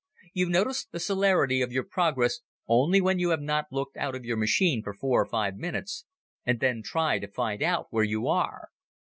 You notice the celerity of your progress only when you have not looked out of your machine for four or five minutes and then try to find out where you are.